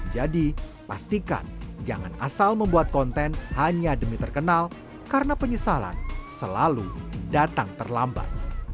jadi pastikan jangan asal membuat konten hanya demi terkenal karena penyesalan selalu datang terlambat